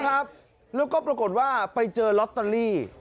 แล้วก็ปรกฏว่าไปเจอร็อเตอรี่